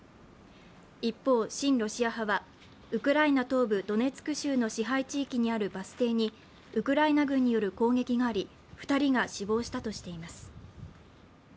一方、親ロシア派はウクライナ東部ドネツク州の支配地域にあるバス停にウクライナ軍による攻撃があり、２人が死亡したとしています。